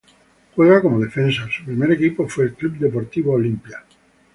Juega como defensa, su primer equipo fue el Club Deportivo Olimpia.